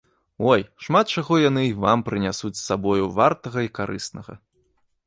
Ой, шмат чаго яны і вам прынясуць з сабою вартага і карыснага.